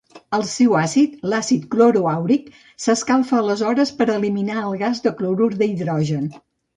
El seu àcid, l'àcid cloroàuric, s'escalfa aleshores per eliminar el gas de clorur d'hidrogen.